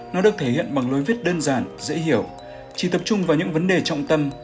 nó được thể hiện bằng lối viết đơn giản dễ hiểu chỉ tập trung vào những vấn đề trọng tâm